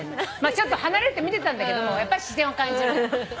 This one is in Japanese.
ちょっと離れて見てたんだけどやっぱ視線を感じるじゃん。